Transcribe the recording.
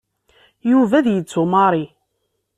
Yuba ad yettu Mary.